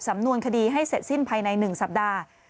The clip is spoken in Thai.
สำนวนคดีให้เสร็จสิ้นภายใน๑สัปดาห์